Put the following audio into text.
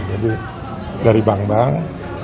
jadi dari bank bank